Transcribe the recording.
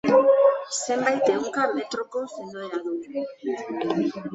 Zenbait ehunka metroko sendoera du.